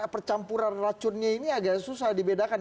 percampuran racunnya ini agak susah dibedakan